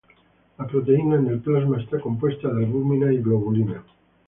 La proteína en el plasma está compuesta de albúmina y globulina.